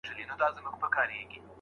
موزيم به څومره قيمت ورکړي؟